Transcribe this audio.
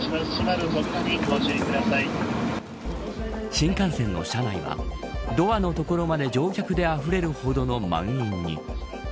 新幹線の車内はドアの所まで乗客があふれるほどの満員に。